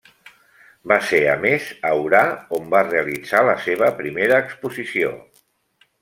Va ser a més a Orà on va realitzar la seva primera exposició.